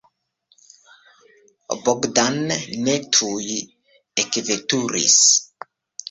Bogdan ne tuj ekveturis.